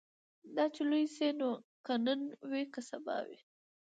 دا چي لوی سي نو که نن وي که سبا وي